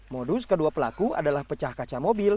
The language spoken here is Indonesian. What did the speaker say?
modus kedua pelaku adalah pecah kaca mobil